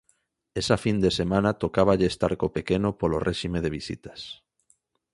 Esa fin de semana tocáballe estar co pequeno polo réxime de visitas.